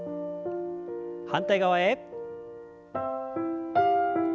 反対側へ。